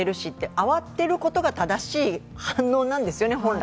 慌てることが正しい反応なんですよね、本来。